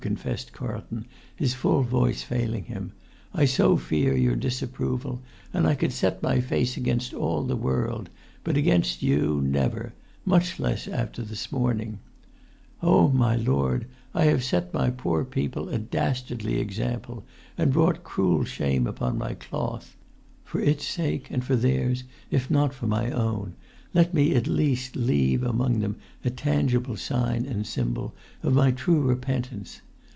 confessed Carlton, his full voice failing him. "I so fear your disapproval; and I could set my face against all the world, but against you never, much less after this morning ... Oh, my lord, I have set my poor people a dastardly example, and brought cruel shame upon my cloth; for its sake and for theirs, if not for my own, let me at least leave among them a tangible sign and symbol of my true repentance.